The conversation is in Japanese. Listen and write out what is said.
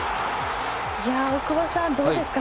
大久保さん、どうですか？